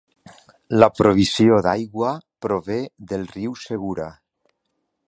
La provisió d'aigua prové del riu Segura.